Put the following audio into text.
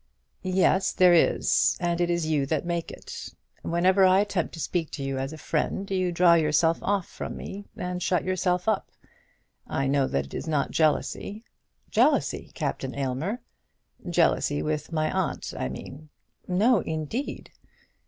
"Yes, there is. And it is you that make it. Whenever I attempt to speak to you as a friend you draw yourself off from me, and shut yourself up. I know that it is not jealousy." "Jealousy, Captain Aylmer!" "Jealousy with my aunt, I mean." "No, indeed."